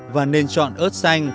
và nên chọn ớt xanh